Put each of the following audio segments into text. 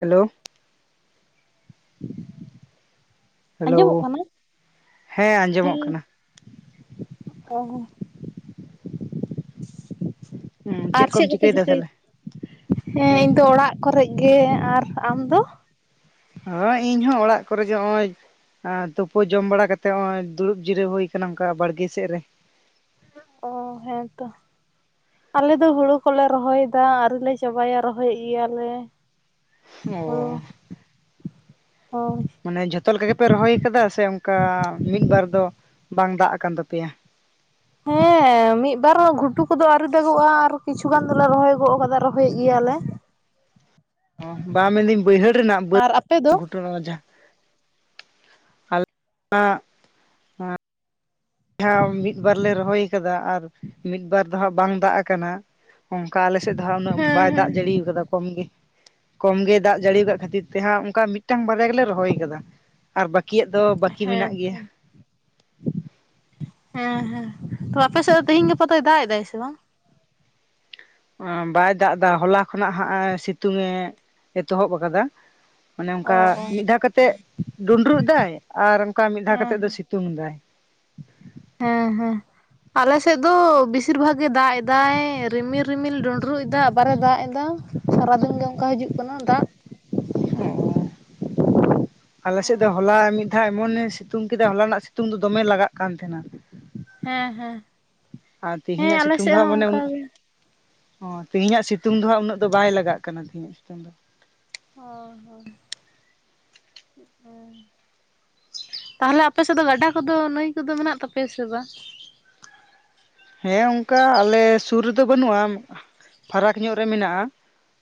Hello. Hello, ᱟᱸᱡᱚᱢᱚᱜ ᱠᱟᱱᱟ ᱦᱮᱸ ᱟᱸᱡᱚᱢᱚᱜ ᱠᱟᱱᱟ ᱾ [unintelligible] ᱦᱩᱸ ᱟᱨ ᱠᱚᱢ ᱪᱮᱫ ᱠᱚᱯᱮ ᱪᱤᱠᱟᱹᱭᱮᱫᱟ ᱪᱤᱠᱟᱹᱭ ᱛᱟᱦᱚᱞᱮ ᱮᱫᱟ? ᱦᱮᱸ ᱤᱧ ᱫᱚ ᱚᱲᱟᱜ ᱠᱚᱨᱮ ᱜᱮ᱾ ᱟᱨ ᱟᱢ ᱫᱚ? ᱦᱳᱭ ᱤᱧ ᱦᱚᱸ, ᱚᱲᱟᱜ ᱠᱚᱨᱮ ᱜᱮ ᱦᱚᱼᱚᱭ ᱾ ᱟᱨ ᱛᱩᱯᱩ ᱡᱚᱢ ᱵᱟᱲᱟ ᱠᱟᱛᱮᱜ, ᱱᱚᱜ ᱚᱭ ᱫᱩᱲᱩᱵ ᱡᱤᱨᱟᱹᱣ ᱦᱩᱭ ᱟᱠᱟᱱᱟ ᱚᱱᱠᱟ ᱵᱟᱲᱜᱮ ᱥᱮᱫ ᱨᱮ ᱾ ᱚ, ᱦᱮᱸ ᱛᱚ ᱾ ᱟᱞᱮ ᱫᱚ ᱦᱩᱲᱩ ᱠᱚᱞᱮ ᱨᱚᱦᱚᱭᱮᱫᱟ, ᱟᱹᱣᱨᱤ ᱞᱮ ᱪᱟᱵᱟᱭᱟ ᱨᱚᱦᱚᱭᱮᱫ ᱜᱮᱭᱟᱞᱮ᱾ ᱚ ᱾ ᱦᱩᱲᱩ ᱦᱳᱭ᱾ ᱢᱟᱱᱮ ᱡᱷᱚᱛᱚ ᱞᱮᱠᱟ ᱜᱮᱯᱮ ᱨᱚᱦᱚᱭ ᱟᱠᱟᱫᱟ᱾ ᱥᱮ ᱚᱱᱠᱟ, ᱢᱤᱫ ᱵᱟᱨ ᱫᱚ ᱵᱟᱝ ᱫᱟᱜ ᱟᱠᱟᱱ ᱛᱟᱯᱮᱭᱟ ᱾ [inaudible] ᱢᱤᱫᱵᱟᱨ ᱜᱷᱩᱴᱩ ᱠᱚᱫᱚ ᱟᱹᱣᱨᱤ ᱫᱟᱜᱼᱟ᱾ ᱟᱨ ᱠᱤᱪᱷᱩ ᱜᱟᱱ ᱫᱚᱞᱮ ᱨᱚᱦᱚᱭ ᱜᱚ ᱠᱟᱫᱟ ᱨᱚᱦᱚᱭᱮᱫ ᱜᱮᱭᱟᱞᱮ ᱾ ᱵᱟᱝ ᱢᱮᱱᱫᱟᱹᱧ ᱵᱟᱹᱭᱦᱟᱹᱲ ᱨᱮᱱᱟᱜ, ᱵᱟᱹᱫ ᱟᱨ ᱟᱯᱮ ᱫᱚ ᱜᱷᱩᱢᱩ ᱨᱮᱱᱟᱜ ᱡᱟᱦᱟᱸ ᱟᱞᱮ [unintelligible] ᱦᱟ ᱡᱟᱦᱟᱸ ᱢᱤᱫ ᱵᱟᱨ ᱞᱮ ᱨᱚᱦᱚᱭ ᱟᱠᱟᱫᱟ᱾ ᱟᱨ ᱢᱤᱫ ᱵᱟᱨ ᱫᱚ ᱦᱟᱸᱜ ᱵᱟᱝ ᱫᱟᱜ ᱟᱠᱟᱱᱟ᱾ ᱚᱱᱠᱟ ᱟᱞᱮᱥᱮᱫ ᱫᱚ ᱦᱟᱜ ᱩᱱᱟᱹᱜ ᱦᱮᱸ ᱵᱟᱭ ᱦᱮᱸ ᱫᱟᱜ ᱡᱟᱹᱲᱤ ᱟᱠᱟᱫᱟ ᱠᱚᱢ ᱜᱮ ᱾ ᱠᱚᱢ ᱜᱮ ᱫᱟᱜ ᱡᱟᱹᱲᱤ ᱟᱠᱟᱫ ᱠᱷᱟᱹᱛᱤᱨ ᱛᱮᱦᱟᱸᱜ, ᱚᱱᱠᱟ ᱢᱤᱫᱴᱟᱝ ᱵᱟᱨᱭᱟ ᱜᱮᱞᱮ ᱨᱚᱦᱚᱭ ᱟᱠᱟᱫᱟ᱾ ᱟᱨ ᱵᱟᱹᱠᱤᱭᱟᱜ ᱫᱚ, ᱵᱟᱠᱤ ᱦᱮᱸ ᱢᱮᱱᱟᱜ ᱜᱮᱭᱟ ᱛᱚ ᱾ ᱦᱮᱸ ᱦᱮᱸ᱾ ᱛᱚ ᱟᱯᱮᱥᱮᱫ ᱫᱚ ᱛᱮᱦᱤᱧ ᱜᱟᱯᱟ ᱫᱚᱭ ᱫᱟᱜ ᱮᱫᱟᱭ ᱥᱮ ᱵᱟᱝ? ᱵᱟᱭ ᱫᱟᱜ ᱮᱫᱟ ᱦᱚᱞᱟ ᱠᱷᱚᱱᱟᱜ ᱦᱟᱸᱜ ᱮ ᱥᱤᱛᱩᱝ ᱮ ᱮᱛᱚᱦᱚᱵ ᱟᱠᱟᱫᱟ ᱾ ᱢᱟᱱᱮ ᱚ ᱚᱱᱠᱟ ᱚ ᱢᱤᱫ ᱫᱷᱟᱶ ᱠᱟᱛᱮᱜ, ᱰᱩᱸᱰᱨᱩᱜ ᱮᱫᱟᱭ ᱟᱨ ᱚᱱᱠᱟ ᱢᱤᱫ ᱫᱷᱟᱶ ᱦᱮᱸ ᱠᱟᱛᱮᱜ ᱫᱚ ᱥᱤᱛᱩᱝ ᱫᱟᱭ ᱾ ᱦᱮᱸ ᱦᱮᱸ᱾ ᱟᱞᱮᱥᱮᱫ ᱫᱚ ᱵᱮᱥᱤᱨ ᱵᱷᱟᱜᱽ ᱜᱮ ᱫᱟᱜ ᱮᱫᱟᱭ ᱨᱤᱢᱤᱞ ᱨᱤᱢᱤᱞ ᱰᱩᱰᱨᱩᱜ ᱮᱫᱟ, ᱟᱵᱟᱨᱮ ᱫᱟᱜ ᱮᱫᱟᱭ ᱾ ᱫᱚ ᱥᱟᱨᱟ ᱫᱤᱱ ᱜᱮ ᱚᱱᱠᱟ ᱦᱤᱡᱩᱜ ᱠᱟᱱᱟ ᱫᱟᱜ ᱾ ᱟᱞᱮ ᱥᱮᱫ ᱫᱚ ᱦᱚᱞᱟ ᱢᱤᱫ ᱫᱷᱟᱶ ᱮᱢᱚᱱᱮ ᱥᱤᱛᱩᱝ ᱠᱮᱫᱟ, ᱦᱚᱞᱟ ᱱᱟᱜ ᱥᱤᱛᱩᱝ ᱫᱚ ᱫᱚᱢᱮ ᱞᱟᱜᱟᱜ ᱠᱟᱱ ᱛᱟᱦᱮᱸᱱᱟ ᱾ ᱦᱮᱸ ᱦᱮᱸ᱾ ᱟᱨ ᱦᱮᱸ ᱛᱮᱦᱤᱧᱟᱜ ᱟᱞᱮ ᱥᱤᱛᱩᱝ ᱫᱚ ᱥᱮᱫ ᱦᱟᱸᱜ ᱦᱚᱸ ᱢᱟᱱᱮ ᱚᱱᱠᱟ ᱜᱮ ᱚ ᱛᱮᱦᱮᱧᱟᱜ ᱥᱤᱛᱩᱝ ᱫᱚ ᱦᱟᱸᱜ ᱩᱱᱟᱹᱜ ᱫᱚ ᱵᱟᱭ ᱞᱟᱜᱟᱜ ᱠᱟᱱᱟ, ᱛᱮᱦᱤᱧᱟᱜ ᱥᱤᱛᱩᱝ ᱫᱚ ᱾ ᱦᱚ ᱦᱚ ᱦᱚ ᱦᱚ ᱾ ᱛᱟᱦᱚᱞᱮ ᱟᱯᱮ ᱥᱮᱫ ᱫᱚ ᱜᱟᱰᱟ ᱠᱚᱫᱚ, ᱱᱟᱹᱭ ᱠᱚᱫᱚ ᱢᱮᱱᱟᱜ ᱛᱟᱯᱮᱭᱟ ᱥᱮ ᱵᱟᱝ? ᱦᱮᱸ ᱚᱱᱠᱟ ᱟᱞᱮ ᱥᱩᱨ ᱨᱮᱫᱚ ᱵᱟᱹᱱᱩᱜᱼᱟ, ᱯᱷᱟᱨᱟᱠ ᱧᱚᱜ ᱨᱮ ᱢᱮᱱᱟᱜᱼᱟ ᱾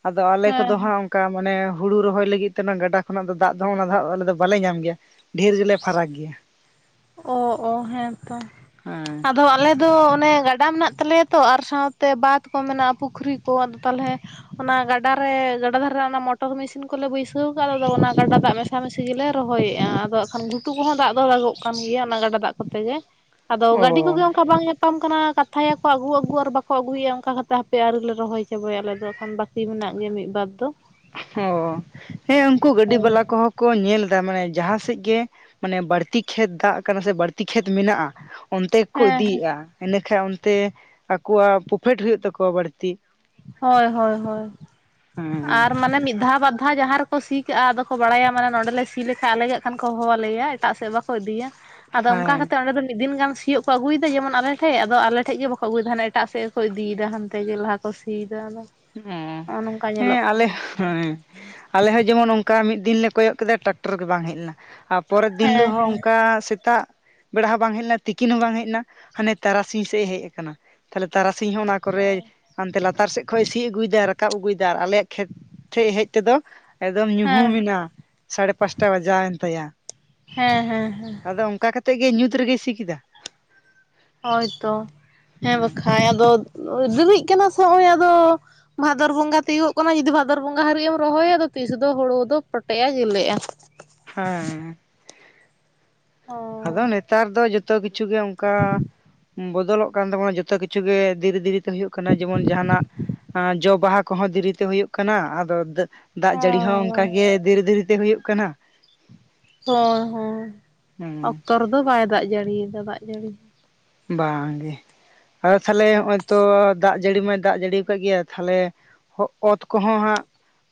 ᱟᱫᱚ ᱟᱞᱮ ᱦᱮᱸ ᱠᱚᱫᱚ ᱦᱮᱸ ᱦᱟᱸᱜ ᱚᱱᱠᱟ ᱢᱟᱱᱮ ᱦᱩᱲᱩ ᱨᱚᱦᱚᱭ ᱞᱟᱹᱜᱤᱫ ᱛᱮ ᱚᱱᱟ ᱜᱟᱰᱟ ᱠᱷᱚᱱᱟᱜ ᱫᱚ ᱫᱟᱜ ᱫᱚ ᱚᱱᱟ ᱫᱚ ᱟᱞᱮ ᱫᱚ ᱵᱟᱞᱮ ᱧᱟᱢ ᱜᱮᱭᱟ᱾ ᱰᱷᱮᱨ ᱜᱮᱞᱮ ᱯᱷᱟᱨᱟᱠ ᱜᱮᱭᱟ᱾ ᱚ ᱚ ᱦᱮᱸ ᱛᱚ᱾ ᱦᱮᱸ᱾ ᱟᱫᱚ ᱟᱞᱮ ᱫᱚ ᱚᱱᱮ ᱜᱟᱰᱟ ᱢᱮᱱᱟᱜ ᱛᱟᱞᱮᱭᱟ ᱛᱚ ᱟᱨ ᱥᱟᱶᱛᱮ ᱵᱟᱸᱫᱽ ᱠᱚ ᱢᱮᱱᱟᱜᱼᱟ ᱯᱩᱠᱷᱨᱤ ᱠᱚ ᱟᱫᱚ ᱛᱟᱦᱚᱞᱮ ᱚᱱᱟ ᱜᱟᱰᱟ ᱨᱮ ᱜᱟᱰᱟ ᱫᱷᱟᱨᱮ ᱚᱱᱟ ᱢᱚᱴᱚᱨ ᱢᱮᱥᱤᱱ ᱠᱚᱞᱮ ᱵᱟᱹᱭᱥᱟᱹᱣ ᱠᱟᱜ ᱟᱫᱚ ᱚᱱᱟ ᱜᱟᱰᱟ ᱫᱟᱜ ᱢᱮᱥᱟ ᱢᱮᱥᱤ ᱜᱮᱞᱮ ᱨᱚᱦᱚᱭᱮᱜ-ᱟ ᱮᱱᱠᱷᱟᱱ ᱜᱷᱩᱴᱩ ᱠᱚ ᱦᱟᱸ ᱫᱟᱜ ᱫᱚ ᱫᱟᱜᱚᱜ ᱠᱟᱱ ᱜᱮᱭᱟ ᱚᱱᱟ ᱜᱟᱰᱟ ᱫᱟᱜ ᱠᱚᱛᱮ ᱜᱮ, ᱟᱫᱚ ᱚ ᱜᱟᱹᱰᱤ ᱠᱚᱜᱮ ᱚᱱᱠᱟ ᱵᱟᱝ ᱧᱟᱯᱟᱢ ᱠᱟᱱᱟ ᱠᱟᱛᱷᱟᱭᱟᱠᱚ ᱟᱹᱜᱩ ᱟᱹᱜᱩ ᱟᱨ ᱵᱟᱠᱚ ᱟᱹᱜᱩᱭᱮᱫᱭᱟ ᱚᱱᱠᱟ ᱠᱟᱛᱮ ᱦᱟᱯᱮ ᱟᱹᱣᱨᱤᱞᱮ ᱨᱚᱦᱚᱭ ᱪᱟᱵᱚᱭᱟ ᱟᱞᱮ ᱫᱚ ᱮᱠᱷᱚᱱ ᱵᱟ ᱠᱤ ᱢᱮᱱᱟᱜ ᱜᱮᱭᱟ ᱢᱤᱫ ᱵᱟᱨ ᱫᱚ᱾ ᱚ ᱦᱮᱸ ᱩᱝᱠᱩ ᱜᱟᱹᱰᱤ ᱦᱳᱭ ᱵᱟᱞᱟ ᱠᱚᱦᱚᱸ ᱠᱚ ᱧᱮᱞ ᱫᱟ ᱢᱟᱱᱮ ᱡᱟᱦᱟᱸ ᱥᱮᱡ ᱜᱮ ᱢᱟᱱᱮ ᱵᱟᱲᱛᱤ ᱠᱷᱮᱛ ᱫᱟᱜ ᱠᱟᱱᱟ ᱥᱮ ᱵᱟᱹᱲᱛᱤ ᱠᱷᱮᱛ ᱢᱮᱱᱟᱜᱼᱟ, ᱚᱱᱛᱮ ᱜᱮᱠᱚ ᱦᱮᱸ ᱦᱮᱸ ᱤᱫᱤᱭᱮᱜᱼᱟ ᱾ ᱤᱱᱮᱠᱟᱡ ᱚᱱᱛᱮ ᱟᱠᱚᱣᱟᱜ ᱯᱨᱚᱯᱷᱤᱴ ᱦᱩᱭᱩᱜ ᱛᱟᱠᱚᱣᱟ ᱵᱟᱹᱲᱛᱤ ᱾ ᱦᱳᱭ ᱦᱳᱭ ᱦᱳᱭ ᱦᱮᱸ ᱟᱨ ᱢᱟᱱᱮ ᱢᱤᱫ ᱫᱷᱟᱣ ᱵᱟᱫᱷᱟ ᱡᱟᱦᱟ ᱨᱮ ᱠᱚ ᱥᱤ ᱠᱟᱜᱼᱟ ᱟᱫᱚ ᱠᱚ ᱵᱟᱲᱟᱭᱟ ᱢᱟᱱᱮ ᱱᱚᱸᱰᱮᱞᱮ ᱥᱤ ᱞᱮᱠᱟᱡ ᱟᱞᱮ ᱜᱮ ᱠᱷᱟᱱ ᱠᱚ ᱦᱚᱦᱚᱣᱟᱞᱮᱭᱟ ᱮᱴᱟᱜ ᱥᱮᱫ ᱵᱟᱠᱚ ᱤᱫᱤᱭᱟ ᱾ ᱟᱫᱚ ᱚᱱᱠᱟ ᱦᱮᱸ ᱠᱟᱛᱮ ᱚᱸᱰᱮ ᱫᱚ ᱢᱤᱫᱤᱱ ᱜᱟᱱ ᱥᱤᱭᱳᱜ ᱵᱟᱠᱚ ᱟᱹᱜᱩᱭᱫᱟ ᱡᱮᱢᱚᱱ ᱟᱞᱮ ᱴᱷᱮᱡ, ᱟᱫᱚ ᱟᱞᱮ ᱴᱷᱮᱡ ᱜᱮ ᱵᱟᱠᱚ ᱟᱹᱜᱩᱭᱮᱫ ᱦᱟᱱᱮ ᱮᱴᱟᱜ ᱥᱮᱫᱠᱚ ᱤᱫᱤᱭᱫᱟ ᱦᱟᱸᱱᱛᱮᱜ ᱞᱟᱦᱟ ᱠᱚ ᱥᱤ ᱫᱟ ᱟᱫᱚ᱾ ᱚᱸ ᱱᱚᱜᱼᱚ ᱱᱚᱝᱠᱟ ᱧᱮᱞᱚᱜ ᱦᱮᱸ ᱟᱞᱮ ᱠᱟᱱᱟ ᱦᱮᱸ᱾ ᱟᱞᱮ ᱦᱚᱸ ᱡᱮᱢᱚᱱ ᱚᱱᱠᱟ ᱢᱤᱫ ᱫᱤᱱ ᱞᱮ ᱠᱚᱭᱚᱜ ᱠᱮᱫᱟ ᱴᱟᱠᱴᱚᱨ ᱜᱮ ᱵᱟᱝ ᱦᱮᱡ ᱞᱮᱱᱟ ᱟᱨ ᱯᱚᱨᱮᱨᱫ ᱫᱤᱱ ᱦᱤᱞᱳᱜ ᱦᱚᱸ ᱦᱮᱸ ᱚᱱᱠᱟ ᱥᱮ ᱛᱟᱜ ᱵᱮᱲᱟ ᱦᱚᱸ ᱵᱟᱝ ᱦᱮᱡ ᱞᱮᱱᱟ ᱛᱤᱠᱤᱱ ᱦᱚᱸ ᱵᱟᱝ ᱦᱮᱡ ᱮᱱᱟ ᱦᱟᱸᱱᱮ ᱛᱟᱨᱟᱥᱤᱧ ᱥᱮᱫ ᱦᱮᱡ ᱠᱟᱱᱟ᱾ ᱛᱟᱦᱞᱮ ᱛᱟᱨᱟᱥᱤᱧ ᱦᱚᱸ ᱚᱱᱟ ᱠᱚᱨᱮ ᱦᱮᱸ ᱦᱟᱸᱱᱛᱮ ᱞᱟᱛᱟᱨ ᱥᱮᱡ ᱠᱷᱚᱡ ᱥᱤ ᱟᱹᱜᱩᱭᱫᱟ ᱨᱟᱠᱟᱵ ᱟᱹᱜᱩᱭᱫᱟᱭ ᱟᱨ ᱟᱞᱮᱭᱟᱜ ᱠᱷᱮᱛ ᱴᱷᱮᱡ ᱦᱮᱡ ᱛᱮᱫᱚ ᱮᱠᱫᱚᱢ ᱧᱩᱦᱩᱢ ᱦᱮᱸ ᱮᱱᱟ ᱥᱟᱲᱮ ᱯᱟᱸᱪᱴᱟ ᱵᱟᱡᱟᱣᱮᱱ ᱛᱟᱭᱟ᱾ ᱦᱮᱸ ᱦᱮᱸ ᱦᱮᱸ᱾ ᱛᱮ ᱜᱮ ᱧᱩᱛ ᱨᱮᱜᱮᱭ ᱥᱤ ᱠᱮᱫᱟ᱾ ᱦᱳᱭᱛᱚ ᱦᱮᱸ ᱵᱟᱠᱟᱡ ᱟᱫᱚ ᱫᱤᱨᱤᱜ ᱠᱟᱱᱟ ᱥᱮ ᱚᱭ ᱟᱫᱚ ᱵᱷᱟᱫᱚᱨ ᱵᱚᱸᱜᱟ ᱛᱤᱭᱳᱚᱜᱚ ᱠᱟᱱᱟ ᱡᱩᱫᱤ ᱵᱷᱟᱫᱚᱨ ᱵᱚᱸᱜᱟ ᱦᱟᱹᱨᱤᱡ ᱮᱢ ᱨᱚᱦᱚᱭᱟ ᱟᱫᱚ ᱛᱤᱥ ᱫᱚ ᱦᱩᱲᱩ ᱫᱚ ᱯᱚᱴᱮᱜᱼᱟ ᱜᱮᱞᱮᱜᱼᱟ᱾ ᱦᱮᱸ᱾ ᱚ ᱟᱫᱚ ᱦᱚᱸ ᱱᱮᱛᱟᱨ ᱫᱚ ᱡᱚᱛᱚ ᱠᱤᱪᱷᱩ ᱜᱮ ᱚᱝᱠᱟ ᱵᱚᱫᱚᱞᱚᱜ ᱠᱟᱱ ᱛᱟᱵᱚᱱᱟ ᱡᱷᱚᱛᱚ ᱠᱤᱪᱷᱩ ᱜᱮ ᱫᱷᱤᱨᱮ ᱫᱤᱨᱮᱛᱮ ᱦᱩᱭᱩᱜ ᱠᱟᱱᱟ ᱡᱮᱢᱚᱱ ᱡᱟᱦᱟᱸᱱᱟᱜ ᱟᱸ ᱡᱚ ᱵᱟᱦᱟ ᱠᱚᱦᱚᱸ ᱫᱤᱨᱤᱛᱮ ᱦᱩᱭᱩᱜ ᱠᱟᱱᱟ ᱟᱫᱚ ᱫᱟᱹ ᱫᱟᱜ ᱡᱟᱹᱲᱤ ᱦᱚᱸ ᱚᱱᱠᱟᱜᱮ ᱫᱤᱨᱤ ᱫᱤᱨᱤᱛᱮ ᱦᱩᱭᱩᱜ ᱠᱟᱱᱟ᱾ ᱦᱳᱭ ᱦᱮᱸ ᱦᱩᱸ ᱚᱠᱛᱚ ᱨᱮᱫᱚ ᱵᱟᱭ ᱫᱟᱜ ᱡᱟᱹᱲᱤᱭᱫᱟ ᱫᱟᱜ ᱡᱟᱹᱲᱤ᱾ ᱵᱟᱝᱜᱮ ᱟᱫᱚ ᱛᱟᱦᱞᱮ ᱦᱚᱸᱜᱼᱚᱭ ᱛᱚ ᱫᱟᱜ ᱡᱟᱹᱲᱤ ᱢᱟᱭ ᱫᱟᱜ ᱡᱟᱹᱲᱤᱭ ᱠᱟᱜ ᱜᱮᱭᱟ ᱛᱟᱦᱞᱮ ᱦᱚᱜ ᱚᱛ ᱠᱚᱦᱚᱸ ᱦᱟᱸᱜ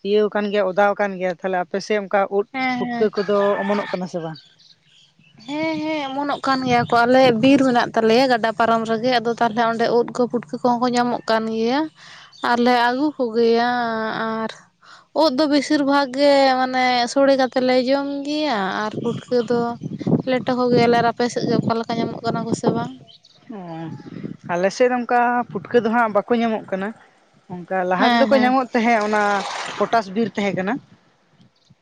ᱤᱭᱟᱹᱣ ᱠᱟᱱ ᱜᱮᱭᱟ ᱚᱫᱟᱣ ᱠᱟᱱ ᱜᱮᱭᱟ, ᱛᱟᱦᱞᱮ ᱟᱯᱮ ᱥᱮᱡ ᱚᱱᱠᱟ ᱳᱫᱽ ᱦᱮᱸ ᱯᱩᱴᱠᱟᱹ ᱦᱮᱸ ᱠᱚᱫᱚ ᱚᱢᱚᱱᱚᱜ ᱠᱟᱱᱟ ᱥᱮ ᱵᱟᱝ? ᱦᱮᱸ ᱦᱮᱸ ᱮᱢᱚᱱᱚᱜ ᱠᱟᱱ ᱜᱮᱭᱟ ᱠᱚ ᱟᱞᱮ ᱵᱤᱨ ᱢᱮᱱᱟᱜ ᱛᱟᱞᱮᱭᱟ ᱜᱟᱰᱟ ᱯᱟᱨᱚᱢ ᱨᱮᱜᱮ ᱟᱫᱚ ᱛᱟᱦᱚᱞᱮ ᱚᱸᱰᱮ ᱩᱫ ᱠᱚ ᱯᱩᱴᱠᱟᱹ ᱠᱚᱦᱚᱸ ᱠᱚ ᱧᱟᱢᱚᱜ ᱠᱟᱱ ᱜᱮᱭᱟ ᱟᱨᱞᱮ ᱟᱹᱜᱩ ᱠᱚᱜᱮᱭᱟ, ᱟᱨ ᱳᱫᱽ ᱫᱚ ᱵᱮᱥᱤᱨ ᱵᱷᱟᱜᱽ ᱜᱮ ᱢᱟᱱᱮ ᱥᱳᱲᱮ ᱠᱟᱛᱮ ᱞᱮ ᱡᱚᱢ ᱜᱮᱭᱟ ᱟᱨ ᱯᱩᱴᱠᱟᱹ ᱫᱚ ᱞᱮᱴᱚ ᱠᱚᱜᱮᱭᱟᱞᱮ ᱟᱨ ᱟᱯᱮ ᱥᱮᱡ ᱜᱮ ᱚᱠᱟᱮ ᱞᱮᱠᱟ ᱧᱟᱢᱚᱜ ᱠᱟᱱᱟ ᱠᱚᱥᱮ ᱵᱟᱝ? ᱚ ᱟᱞᱮᱥᱮᱫ ᱫᱚ ᱚᱱᱠᱟ ᱯᱷᱩᱴᱠᱟᱹ ᱫᱚ ᱦᱟᱸᱜ ᱵᱟᱠᱚ ᱧᱟᱢᱚᱜ ᱠᱟᱱᱟ, ᱚᱱᱠᱟ ᱞᱟᱦᱟ ᱛᱮᱫᱚ ᱦᱮᱸ ᱠᱚ ᱦᱮᱸ ᱧᱟᱢᱚᱜ ᱛᱟᱦᱮᱸᱫ ᱚᱱᱟ ᱯᱚᱴᱟᱥ ᱵᱤᱨ ᱛᱮᱦᱮᱸ ᱠᱟᱱᱟ᱾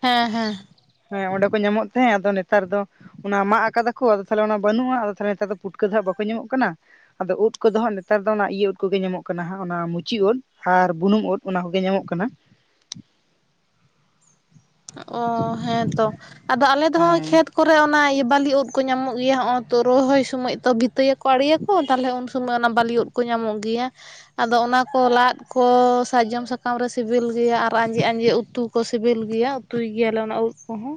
ᱦᱮᱸ ᱦᱮᱸ᱾ ᱦᱮᱸ ᱚᱸᱰᱮ ᱠᱚ ᱧᱟᱢᱚᱜ ᱛᱟᱦᱮᱸ ᱟᱫᱚ ᱱᱮᱛᱟᱨ ᱫᱚ ᱚᱱᱟ ᱢᱟᱜ ᱟᱠᱟᱫᱟ ᱠᱚ ᱟᱫᱚ ᱛᱟᱦᱞᱮ ᱚᱱᱟ ᱵᱟᱹᱱᱩᱜ-ᱟ, ᱟᱫᱚ ᱛᱟᱦᱞᱮ ᱱᱮᱛᱟᱨ ᱫᱚ ᱯᱩᱴᱠᱟᱹ ᱫᱚ ᱦᱟᱜ ᱵᱟᱠᱚ ᱧᱟᱢᱚᱜ ᱠᱟᱱᱟ᱾ ᱟᱫᱚ ᱩᱫ ᱠᱚᱫᱚ ᱦᱟᱸᱜ ᱱᱮᱛᱟᱨ ᱫᱚ ᱚᱱᱟ ᱤᱭᱟᱹ ᱩᱫ ᱠᱚᱜᱮ ᱧᱟᱢᱚᱜ ᱠᱟᱱᱟ ᱦᱟᱸᱜ ᱚᱱᱟ ᱢᱩᱪᱤ ᱩᱫ, ᱟᱨ ᱵᱩᱱᱩᱢ ᱩᱫ ᱚᱱᱟ ᱠᱚᱜᱮ ᱧᱟᱢᱚᱜ ᱠᱟᱱᱟ᱾ ᱚ ᱦᱮᱸ ᱛᱚ, ᱟᱫᱚ ᱟᱞᱮ ᱫᱚ ᱦᱚᱸᱜ-ᱚᱭ ᱦᱮᱸ ᱠᱷᱮᱛ ᱠᱚᱨᱮ ᱚᱱᱟ ᱤᱭᱟᱹ ᱵᱟᱹᱞᱤ ᱩᱫ ᱠᱚ ᱧᱟᱢᱚᱜ ᱜᱮᱭᱟ ᱦᱚᱸᱜ-ᱚ ᱛᱚ ᱨᱚᱦᱚᱭ ᱥᱚᱢᱚᱭ ᱛᱚ ᱵᱷᱤᱛᱟᱹᱭᱟᱠᱚ, ᱯᱟᱲᱤᱭᱟᱠᱚ ᱛᱟᱦᱞᱮ ᱩᱱ ᱥᱚᱢᱚᱭ ᱚᱱᱟ ᱵᱟᱞᱤ ᱩᱫ ᱠᱚ ᱧᱟᱢᱚᱜ ᱜᱮᱭᱟ᱾ ᱟᱫᱚ ᱚᱱᱟ ᱠᱚ ᱞᱟᱫ ᱠᱚ ᱥᱟᱨᱡᱚᱢ ᱥᱟᱠᱟᱢ ᱨᱮ ᱥᱤᱵᱤᱞ ᱜᱮᱭᱟ ᱟᱨ ᱟᱸᱡᱮ ᱟᱸᱡᱮ ᱩᱛᱩ ᱠᱚ ᱥᱤᱵᱤᱞ ᱜᱮᱭᱟ᱾ ᱩᱛᱩᱭ ᱜᱮᱭᱟᱞᱮ ᱚᱱᱟ ᱩᱫ ᱠᱚᱦᱚᱸ᱾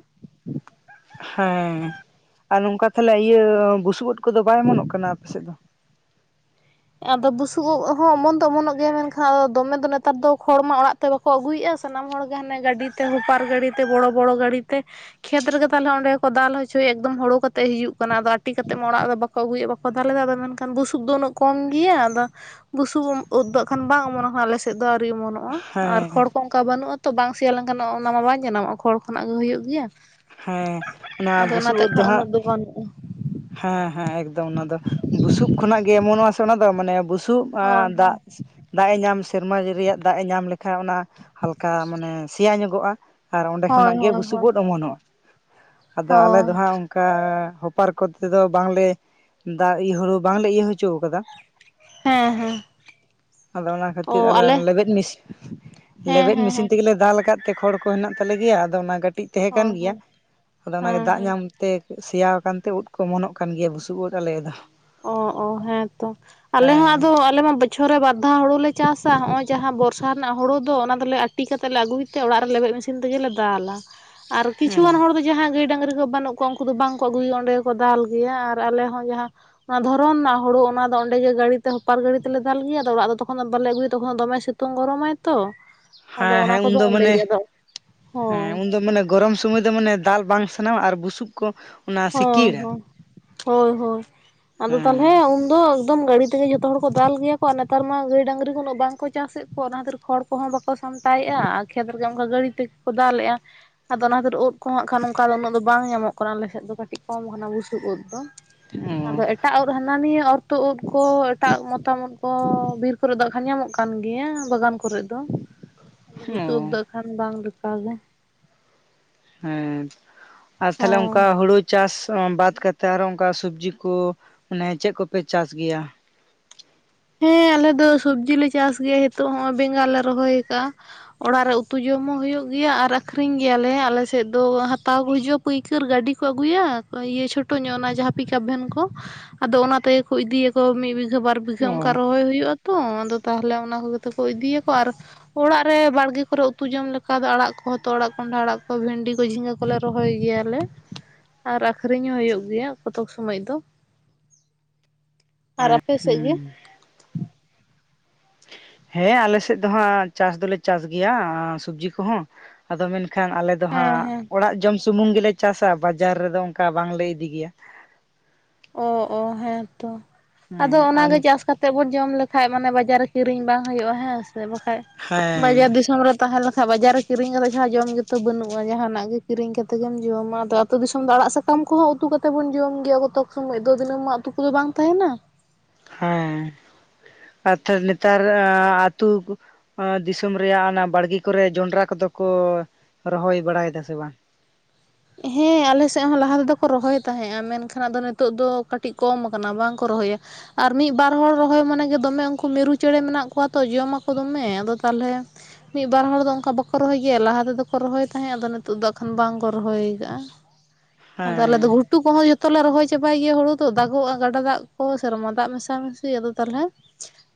ᱦᱮᱸ ᱟᱨ ᱱᱚᱝᱠᱟ ᱛᱟᱦᱞᱮ ᱤᱭᱟᱹ ᱵᱩᱥᱩᱵ ᱩᱫ ᱠᱚᱫᱚ ᱵᱟᱭ ᱚᱢᱚᱱᱚᱜ ᱠᱟᱱᱟ ᱟᱯᱮᱥᱮᱡ ᱫᱚ? ᱟᱫᱚ ᱵᱩᱥᱩᱵ ᱩᱜ ᱦᱚᱸ ᱚᱢᱚᱱ ᱫᱚ ᱚᱢᱚᱱᱚᱜ ᱜᱮᱭᱟ ᱢᱮᱱᱠᱷᱟᱱ ᱟᱫᱚ ᱫᱚᱢᱮ ᱫᱚ ᱱᱮᱛᱟᱨ ᱫᱚ ᱠᱷᱚᱲ ᱢᱟ ᱚᱲᱟᱜ ᱛᱮ ᱵᱟᱠᱚ ᱟᱹᱜᱩᱭ-ᱟ ᱥᱟᱱᱟᱢ ᱦᱚᱲᱜᱮ ᱦᱟᱱᱮ ᱜᱟᱹᱰᱤ ᱛᱮ ᱦᱚᱯᱟᱨ ᱜᱟᱹᱲᱤᱛᱮ ᱵᱚᱲᱚ ᱵᱚᱲᱚ ᱜᱟᱹᱲᱤᱛᱮ ᱠᱷᱮᱛ ᱨᱮᱜᱮ ᱛᱟᱦᱞᱮ ᱚᱸᱰᱮ ᱜᱮᱠᱚ ᱫᱟᱞ ᱦᱚᱪᱚᱭᱟ ᱮᱠᱫᱚᱢ ᱦᱳᱲᱳ ᱠᱟᱛᱮᱜ ᱦᱤᱡᱩᱜ ᱠᱟᱱᱟ, ᱟᱫᱚ ᱟᱴᱤ ᱠᱟᱛᱮᱜ ᱢᱟ ᱚᱲᱟᱜ ᱨᱮ ᱵᱟᱠ ᱠᱚ ᱟᱹᱜᱩᱮᱫ ᱵᱟᱠᱚ ᱫᱟᱞᱮᱫᱟ ᱟᱫᱚ ᱢᱮᱱᱠᱷᱟᱱ ᱵᱩᱥᱩᱠ ᱫᱚ ᱩᱱᱟᱹᱜ ᱠᱚᱢ ᱜᱮᱭᱟ ᱟᱫᱚ ᱵᱩᱥᱩᱵ ᱳᱫ ᱫᱚ ᱮᱠᱷᱚᱱ ᱵᱟᱝ ᱚᱢᱚᱱ ᱠᱟᱱᱟ ᱟᱞᱮ ᱥᱮᱫ᱾ ᱫᱚ ᱟᱹᱣᱨᱤ ᱚᱢᱚᱱ ᱱᱚᱜ-ᱟ, ᱟᱨ ᱦᱮᱸ ᱠᱷᱚᱲ ᱠᱚ ᱚᱱᱠᱟ ᱵᱟᱹᱱᱩᱜ-ᱟ ᱛᱚ ᱵᱟᱝ ᱥᱮᱭᱟ ᱞᱮᱱᱠᱷᱟᱱ ᱚᱱᱟ ᱢᱟ ᱵᱟᱝ ᱡᱟᱱᱟᱢᱚᱜ-ᱟ, ᱠᱷᱚᱲ ᱠᱷᱚᱱᱟᱜ ᱜᱮ ᱦᱩᱭᱩᱜ ᱜᱮᱭᱟ᱾ ᱦᱮᱸ, ᱚᱱᱟ ᱟᱫᱚ ᱵᱩᱥᱩᱵ ᱚᱱᱟᱛᱮ ᱩᱫ ᱫᱚ ᱠᱷᱟᱱ ᱩᱱᱟᱹᱜ ᱦᱟᱸᱜ ᱵᱟᱹᱱᱩᱜᱼᱟ ᱦᱮᱸ ᱦᱮᱸ ᱮᱠᱫᱚᱢ ᱚᱱᱟ ᱫᱚ, ᱵᱩᱥᱩᱵ ᱠᱷᱚᱱᱟᱜ ᱜᱮ ᱚᱢᱚᱱᱚᱜ-ᱟ ᱥᱮ ᱚᱱᱟ ᱫᱚ ᱢᱟᱱᱮ ᱵᱩᱥᱩᱵ ᱟᱸᱻ ᱦᱳᱭ ᱫᱟᱜ, ᱦᱳᱭ ᱫᱟᱜ-ᱮ ᱧᱟᱢ ᱥᱮᱨᱢᱟ ᱨᱮᱭᱟᱜ ᱫᱟᱜ-ᱮ ᱧᱟᱢ ᱞᱮᱠᱷᱟ ᱚᱱᱟ ᱦᱟᱞᱠᱟ ᱢᱟᱱᱮ ᱥᱮᱭᱟ ᱧᱚᱜᱚᱜ-ᱟ ᱟᱨ ᱚᱸᱰᱮ ᱦᱳᱭ ᱠᱷᱚᱱᱟᱜ ᱜᱮ ᱦᱳᱭ ᱵᱩᱥᱩᱵ ᱦᱳᱭ ᱩᱫ ᱚᱢᱚᱱᱚᱜ-ᱟ᱾ ᱟᱫᱚ ᱟᱞᱮ ᱫᱚ ᱦᱳᱭ ᱦᱟᱸᱜ ᱚᱝᱠᱟ ᱦᱚᱯᱟᱨ ᱠᱚᱛᱮ ᱫᱚ ᱵᱟᱝ ᱞᱮ ᱫᱟᱜ ᱤᱭᱟᱹ ᱦᱩᱲᱩ ᱵᱟᱝᱞᱮ ᱤᱨ ᱦᱚᱪᱚᱣ ᱠᱟᱫᱟ᱾ ᱦᱮᱸ ᱦᱮᱸ᱾ ᱟᱫᱚ ᱚᱱᱟ ᱠᱷᱟᱹᱛᱤᱨ ᱟᱞᱮ ᱞᱮᱵᱮᱫ ᱢᱤᱥᱤᱱ, ᱦᱮᱸ ᱞᱮᱵᱮᱫ ᱦᱮᱸ ᱢᱮᱥᱤᱱ ᱦᱮᱸ ᱛᱮᱜᱮᱞᱮ ᱫᱟᱞ ᱠᱟᱫ ᱛᱮ ᱠᱷᱚᱲ ᱠᱚ ᱦᱮᱱᱟᱜ ᱛᱟᱞᱮ ᱜᱮᱭᱟ ᱟᱫᱚ ᱚᱱᱟ ᱠᱟᱹᱴᱤᱡ ᱛᱟᱦᱮᱸ ᱠᱟᱱ ᱦᱳᱭ ᱜᱮᱭᱟ ᱦᱳᱭ᱾ ᱟᱫᱚ ᱚᱱᱟᱜᱮ ᱦᱮᱸ ᱫᱟᱜ ᱦᱮᱸ ᱧᱟᱢᱛᱮ ᱥᱮᱭᱟ ᱟᱠᱟᱱᱛᱮ ᱩᱫ ᱠᱚ ᱚᱢᱚᱱᱚᱜ ᱠᱟᱱ ᱜᱮᱭᱟ ᱵᱩᱥᱩᱵ ᱩᱫ ᱟᱞᱮᱭᱟᱜ ᱫᱚ᱾ ᱚ ᱚ ᱦᱮᱸ ᱛᱚ, ᱟᱞᱮ ᱦᱚᱸ ᱦᱮᱸ ᱟᱫᱚ ᱟᱞᱮ ᱢᱟ ᱵᱟᱹᱪ ᱵᱚᱪᱷᱚᱨ ᱨᱮ ᱵᱟᱨ ᱫᱷᱟᱣ ᱦᱳᱲᱳ ᱞᱮ ᱪᱟᱥᱟ᱾ ᱦᱚᱸᱜ-ᱚᱭ ᱡᱟᱦᱟᱸ ᱵᱚᱨᱥᱟ ᱨᱮᱱᱟᱜ ᱦᱩᱲᱩ ᱫᱚ ᱚᱱᱟ ᱫᱚᱞᱮ ᱟᱹᱴᱤ ᱠᱟᱛᱮᱫ ᱞᱮ ᱟᱹᱜᱩᱭ ᱛᱮ ᱚᱲᱟᱜ ᱨᱮ ᱞᱮᱵᱮᱫ ᱢᱮᱥᱤᱱ ᱛᱮᱜᱮ ᱞᱮ ᱫᱟᱞᱟ ᱟᱨ ᱠᱤᱪᱷᱩ ᱚ ᱜᱟᱱ ᱦᱚᱲ ᱫᱚ ᱡᱟᱦᱟᱸᱭ ᱜᱟᱹᱭ ᱰᱟᱹᱝᱨᱤ ᱠᱚ ᱵᱟᱹᱱᱩᱜ ᱠᱚᱣᱟ ᱩᱝᱠᱩ ᱫᱚ ᱵᱟᱝ ᱠᱚ ᱟᱹᱜᱩᱭᱟ, ᱚᱸᱰᱮ ᱜᱮ ᱠᱚ ᱫᱟᱞ ᱜᱮᱭᱟ ᱟᱨ ᱟᱞᱮ ᱦᱚᱸ ᱡᱟᱦᱟᱸ ᱚᱱᱟ ᱫᱷᱚᱨᱚᱱ ᱨᱮᱱᱟᱜ ᱦᱳᱲᱳ, ᱚᱱᱟ ᱫᱚ ᱚᱸᱰᱮ ᱜᱮ ᱜᱟᱹᱲᱤ ᱛᱮ ᱦᱳᱯᱟᱨ ᱜᱟᱹᱲᱤ ᱛᱮᱞᱮ ᱫᱟᱞ ᱜᱮᱭᱟ ᱟᱫᱚ ᱚᱲᱟᱜ ᱫᱚ ᱛᱚᱠᱷᱚᱱ ᱫᱚ ᱵᱟᱞᱮ ᱟᱹᱜᱩᱭᱟ ᱛᱚᱠᱷᱚᱱ ᱫᱚ ᱫᱚᱢᱮ ᱥᱤᱛ ᱛᱩᱝ ᱜᱚᱨᱚᱢᱟᱭ ᱛᱚ᱾ ᱟᱫᱚ ᱦᱮᱸ ᱚᱱᱟ ᱦᱮᱸ ᱩᱱ ᱠᱚᱫᱚ ᱫᱚ ᱚᱸᱰᱮ ᱢᱟᱱᱮ, ᱜᱮ ᱟᱫᱚ ᱦᱮᱸ ᱦᱳᱭ ᱩᱱ ᱫᱚ ᱢᱟᱱᱮ ᱜᱚᱨᱚᱢ ᱥᱳᱢᱳᱭ ᱫᱚ ᱢᱟᱱᱮ ᱫᱟᱞ ᱵᱟᱝ ᱥᱟᱱᱟᱣᱟ ᱟᱨ ᱵᱩᱥᱩᱵ ᱠᱚ ᱚᱱᱟ ᱦᱳᱭ ᱥᱤᱠᱤᱲᱟ ᱦᱳᱭ, ᱦᱳᱭ ᱦᱳᱭ ᱟᱫᱚ ᱛᱟᱦᱞᱮ ᱦᱮᱸ ᱩᱱ ᱦᱳᱭ, ᱮᱠᱫᱚᱢ ᱜᱟᱹᱲᱤ ᱛᱮᱜᱮ ᱡᱚᱛᱚ ᱦᱚᱲ ᱠᱚ ᱫᱟᱞ ᱜᱮᱭᱟ ᱠᱚ ᱟᱨ ᱱᱮᱛᱟᱨ ᱢᱟ ᱜᱟᱹᱭ ᱰᱟᱹᱝᱨᱤ ᱩᱱᱟᱹᱜ ᱵᱟᱝ ᱠᱚ ᱪᱟᱥᱮᱜ ᱠᱚᱣᱟ ᱚᱱᱟ ᱠᱷᱟᱹᱛᱤᱨ ᱠᱚ ᱠᱷᱚᱲ ᱠᱚᱦᱚᱸ ᱵᱟᱠᱚ ᱥᱟᱢᱴᱟᱣᱮᱜ-ᱟ ᱟᱨ ᱠᱷᱮᱛ ᱨᱮᱜᱮ ᱦᱚᱸᱜ-ᱚᱝᱠᱟ ᱜᱟᱹᱲᱤ ᱛᱮ ᱜᱮ ᱠᱚ ᱫᱟᱞᱮᱜ-ᱟ᱾ ᱟᱫᱚ ᱚᱱᱟ ᱠᱷᱟᱹᱛᱤᱨ ᱳᱫ ᱠᱚ ᱦᱚᱸ ᱦᱟᱸᱜ ᱠᱷᱟᱱ ᱚᱱᱠᱟ ᱫᱚ ᱩᱱᱟᱹᱜ ᱫᱚ ᱵᱟᱝ ᱧᱟᱢᱚᱜ ᱠᱟᱱᱟ ᱟᱞᱮ ᱥᱮᱫ ᱫᱚ᱾ ᱠᱟᱹᱴᱤᱡ ᱠᱚᱢ ᱦᱟᱱᱟ ᱵᱩᱥᱩᱵ ᱩᱫ ᱫᱚ, ᱟᱫᱚ ᱚ ᱮᱴᱟᱜ ᱩᱫ ᱦᱟᱱᱟ ᱱᱤᱭᱟᱹ ᱚᱨᱛᱩᱫ ᱩᱫ ᱠᱚ, ᱮᱴᱟᱜ ᱢᱚᱛᱟᱢ ᱩᱫ ᱠᱚ, ᱵᱤᱨ ᱠᱚ ᱨᱮ ᱫᱚ ᱦᱟᱸᱜ ᱠᱷᱟᱱ ᱧᱟᱢᱚᱜ ᱠᱟᱱ ᱜᱮᱭᱟ ᱵᱟᱜᱟᱱ ᱠᱚᱨᱮ ᱫᱚ᱾ [inaudible] ᱟᱫᱚ ᱵᱩᱥᱩᱵ ᱳᱫ ᱚ ᱫᱚ ᱮᱠᱷᱚᱱ ᱵᱟᱝ ᱞᱮᱠᱟ ᱜᱮ᱾ ᱦᱮᱸ ᱟᱨ ᱛᱟᱦᱞᱮ ᱚᱱᱠᱟ ᱦᱳᱭ ᱦᱳᱲᱳᱡ ᱪᱟᱥ ᱵᱟᱫ ᱠᱟᱛᱮᱫ ᱟᱨ ᱦᱚᱸ ᱚᱱᱠᱟ ᱥᱚᱵᱡᱤ ᱠᱚ ᱢᱟᱱᱮ ᱪᱮᱫ ᱠᱚ ᱯᱮ ᱪᱟᱥ ᱜᱮᱭᱟ᱾ ᱦᱮᱸ ᱟᱞᱮ ᱫᱚ ᱥᱚᱵᱽᱡᱤ ᱞᱮ ᱪᱟᱥ ᱜᱮᱭᱟ ᱱᱤᱛᱚᱜ ᱦᱚᱸᱜ ᱵᱮᱸᱜᱟᱲ ᱞᱮ ᱨᱚᱦᱚᱭ ᱟᱠᱟᱜᱼᱟ᱾ ᱚᱲᱟᱜ ᱨᱮ ᱩᱛᱩ ᱡᱚᱢ ᱦᱚᱸ ᱦᱩᱭᱩᱜ ᱜᱮᱭᱟ, ᱟᱨ ᱟᱠᱷᱨᱤᱧ ᱜᱮᱭᱟ ᱞᱮ ᱟᱞᱮ ᱥᱮᱫ ᱫᱚ ᱦᱟᱛᱟᱣ ᱠᱚ ᱦᱤᱡᱩᱜᱼᱟ᱾ ᱯᱟᱹᱭᱠᱟᱹᱨ ᱜᱟᱹᱰᱤ ᱠᱚ ᱟᱹᱜᱩᱭᱼᱟ ᱤᱭᱟᱹ ᱪᱷᱳᱴᱳ ᱧᱚᱜ ᱚᱱᱟ ᱡᱟᱸᱦᱟ ᱯᱤᱠᱟᱯ ᱵᱷᱮᱱ ᱠᱚ᱾ ᱟᱫᱚ ᱚᱱᱟ ᱛᱮᱜᱮ ᱠᱚ ᱤᱫᱤᱭᱟ ᱠᱚ ᱢᱤᱫ ᱵᱤᱜᱷᱟᱹ ᱵᱟᱨ ᱵᱤᱜᱷᱟᱹ [inaudible] ᱚ ᱨᱚᱦᱚᱭ ᱦᱩᱭᱩᱜᱼᱟ ᱛᱚ, ᱟᱫᱚ ᱛᱟᱦᱞᱮ ᱚᱱᱟ ᱠᱚᱜᱮ ᱛᱚ ᱠᱚ ᱤᱫᱤᱭᱟ ᱠᱚ ᱟᱨ ᱚᱲᱟᱜ ᱨᱮ ᱵᱟᱲᱜᱮ ᱠᱚᱨᱮ ᱩᱛᱩ ᱡᱚᱢ ᱞᱮᱠᱟ ᱫᱚ ᱟᱸᱲᱟᱜ ᱠᱚᱦᱚᱸ ᱛᱚ ᱦᱚᱛᱚᱫ ᱟᱸᱲᱟᱜ ᱠᱚᱸᱰᱷᱟ ᱟᱸᱲᱟᱜ ᱠᱚ ᱵᱷᱮᱱᱰᱤ ᱠᱚ ᱡᱷᱤᱸᱜᱟᱹ ᱠᱚ ᱠᱚᱞᱮ ᱨᱚᱦᱚᱭ ᱜᱮᱭᱟ ᱞᱮ ᱾ ᱟᱨ ᱟᱹᱠᱷᱨᱤᱧ ᱦᱚᱸ ᱦᱩᱭᱩᱜ ᱜᱮᱭᱟ ᱠᱚᱛᱚᱠ ᱥᱳᱢᱳᱭ ᱫᱚ᱾ [inaudible] ᱟᱨ ᱟᱯᱮ ᱥᱮᱫ ᱜᱮ? ᱦᱩᱸ [inaudible] ᱦᱮᱸ ᱟᱞᱮ ᱥᱮᱫ ᱫᱚ ᱦᱟᱸᱜ ᱪᱟᱥ ᱫᱚᱞᱮ ᱪᱟᱥ ᱜᱮᱭᱟ ᱥᱚᱵᱡᱤ ᱠᱚᱦᱚᱸ, ᱟᱫᱚ ᱢᱮᱱ ᱠᱷᱟᱱ ᱟᱞᱮ ᱫᱚ ᱦᱮᱸ ᱦᱟᱸᱜ ᱦᱮᱸ ᱚᱲᱟᱜ ᱡᱚᱢ ᱥᱩᱢᱩᱝ ᱜᱮᱞᱮ ᱪᱟᱥᱟ ᱵᱟᱡᱟᱨ ᱨᱮᱫᱚ ᱚᱱᱠᱟ ᱵᱟᱝ ᱞᱮ ᱤᱫᱤ ᱜᱮᱭᱟ᱾ ᱚ ᱚ ᱦᱮᱸᱛᱚ, ᱟᱫᱚ ᱦᱮᱸ ᱚᱱᱟ ᱟᱨ ᱜᱮ ᱪᱟᱥ ᱠᱟᱛᱮᱫ ᱵᱚᱱ ᱡᱚᱢ ᱞᱮᱠᱷᱟᱡ ᱢᱟᱱᱮ ᱵᱟᱡᱟᱨ ᱨᱮ ᱠᱤᱨᱤᱧ ᱵᱟᱝ ᱦᱩᱭᱩᱜᱼᱟ ᱦᱮᱸ ᱥᱮ ᱵᱟᱠᱷᱟᱡ, ᱵᱟᱡᱟᱨ ᱦᱮᱸ ᱫᱤᱥᱚᱢ ᱛᱟᱦᱮᱸ ᱞᱮᱱ ᱠᱷᱟᱡ ᱵᱟᱡᱟᱨ ᱨᱮ ᱠᱤᱨᱤᱧ ᱠᱟᱛᱮᱫ ᱪᱷᱟᱲᱟ ᱡᱚᱢ ᱜᱮᱛᱚ ᱵᱟᱹᱱᱩᱜᱼᱟ, ᱡᱟᱸᱦᱟ ᱱᱟᱸᱜ ᱜᱮ ᱠᱤᱨᱤᱧ ᱠᱟᱛᱮᱜ ᱜᱮᱢ ᱡᱚᱢᱟ, ᱟᱫᱚ ᱛᱚ ᱫᱤᱥᱚᱢ ᱫᱚ ᱟᱸᱲᱟᱜ ᱥᱟᱠᱟᱢ ᱠᱚᱦᱚᱸ ᱩᱛᱩ ᱠᱟᱛᱮᱫ ᱵᱚᱱ ᱡᱚᱢ ᱜᱮᱭᱟ ᱠᱚᱛᱚᱠ ᱥᱚᱢᱚᱭ ᱫᱚ ᱫᱤᱱᱟᱹᱢ ᱢᱟ ᱩᱛᱩ ᱠᱚᱫᱚ ᱵᱟᱝ ᱛᱟᱦᱮᱱᱟ᱾ ᱦᱮᱸ ᱟᱨ [inaudible] ᱱᱮᱛᱟᱨ ᱟᱹᱛᱩ ᱫᱤᱥᱚᱢ ᱨᱮᱭᱟᱜ ᱚᱱᱟ ᱵᱟᱲᱜᱤ ᱠᱚᱨᱮ ᱡᱚᱱᱰᱨᱟ ᱠᱚᱫᱚ ᱠᱚ ᱨᱚᱦᱚᱭ ᱵᱟᱲᱟᱭ ᱮᱫᱟ ᱥᱮ ᱵᱟᱝ? ᱦᱮᱸ ᱟᱞᱮ ᱥᱮᱫ ᱦᱚᱸ ᱞᱟᱦᱟ ᱛᱮᱫᱚ ᱠᱚ ᱨᱚᱦᱚᱭ ᱛᱟᱦᱮᱸᱫᱼᱟ, ᱢᱮᱱ ᱠᱷᱟᱱ ᱟᱫᱚ ᱱᱤᱛᱚᱜ ᱫᱚ ᱠᱟᱹᱴᱤᱡ ᱠᱚᱢ ᱠᱟᱱᱟ ᱵᱟᱝ ᱠᱚ ᱨᱚᱦᱚᱭᱟ᱾ ᱟᱨ ᱢᱤᱫ ᱵᱟᱨ ᱦᱚᱲ ᱨᱚᱦᱚᱭ ᱢᱟᱱᱮ ᱜᱮ ᱫᱚᱢᱮ ᱩᱱᱠᱩ ᱢᱤᱨᱩ ᱪᱮᱬᱮ ᱢᱮᱱᱟᱜ ᱠᱚᱣᱟ ᱛᱚ ᱡᱚᱢᱟ ᱟᱠᱚ ᱫᱚᱢᱮ, ᱟᱫᱚ ᱛᱟᱦᱞᱮ ᱢᱤᱫ ᱵᱟᱨ ᱦᱚᱲ ᱫᱚ ᱚᱱᱠᱟ ᱵᱟᱠᱚ ᱨᱚᱦᱚᱭ ᱜᱮᱭᱟ ᱞᱟᱦᱟ ᱛᱮᱫᱚ ᱠᱚ ᱨᱚᱦᱚᱭ ᱛᱟᱦᱮᱸᱫ, ᱟᱫᱚ ᱱᱤᱛᱚᱜ ᱫᱚ ᱟᱠᱷᱟᱱ ᱵᱟᱝ ᱠᱚ ᱨᱚᱦᱚᱭ ᱠᱟᱜᱼᱟ᱾ ᱟᱫᱚ ᱟᱞᱮ ᱫᱚ ᱦᱮᱸ ᱜᱷᱩᱴ ᱜᱷᱩᱴᱩ ᱠᱚᱦᱚᱸ ᱡᱚᱛᱚ ᱞᱮ ᱨᱚᱦᱚᱭ ᱪᱟᱵᱟᱭ ᱜᱮᱭᱟ ᱦᱳᱲᱳ ᱫᱚ, ᱫᱟᱜᱚᱜᱼᱟ ᱜᱟᱰᱟ ᱫᱟᱜ ᱠᱚ ᱥᱮᱨᱢᱟ ᱫᱟᱜ ᱢᱮᱥᱟ ᱢᱮᱥᱤ ᱟᱫᱚ ᱛᱟᱞᱦᱮ